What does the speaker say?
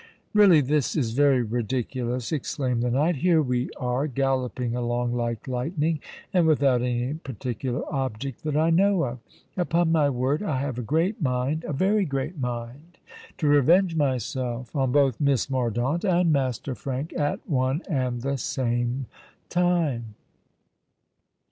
"Really this is very ridiculous!" exclaimed the knight. "Here we are, galloping along like lightning—and without any particular object that I know of. Upon my word, I have a great mind—a very great mind to revenge myself on both Miss Mordaunt and Master Frank at one and the same time!"